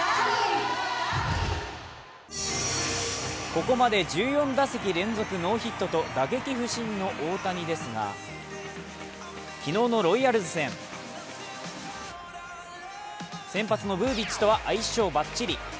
ここまで１４打席連続ノーヒットと打撃不振の大谷ですが、昨日のロイヤルズ戦、先発のブービッチとは相性バッチリ。